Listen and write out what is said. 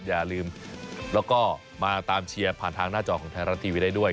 อย่าลืมแล้วก็มาตามเชียร์ผ่านทางหน้าจอของไทยรัฐทีวีได้ด้วย